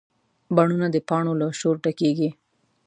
بڼونه د پاڼو له شور ډکېږي